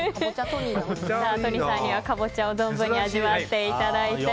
都仁さんにはカボチャを存分に味わっていただいて。